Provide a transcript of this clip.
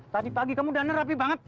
tadi pagi kamu udah nerapi banget